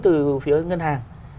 từ phía ngân hàng